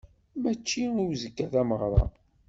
Mačči i uzekka tameɣṛa.